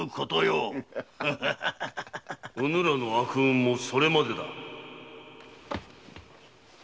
・うぬらの悪運もそれまでだ